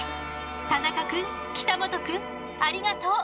田中くん北本くんありがとう。